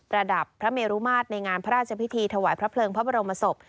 ระดับพระเมรุมาตรในงานพระราชพิธีถวายพระเพลิงพระบรมศพ